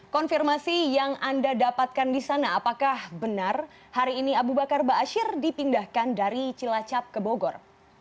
konfirmasi yang anda dapatkan di sana apakah benar hari ini abu bakar ⁇ baasyir ⁇ dipindahkan dari cilacap ke bogor